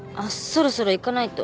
そろそろ行かないと。